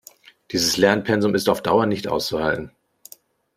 Dieses Lernpensum ist auf Dauer nicht auszuhalten.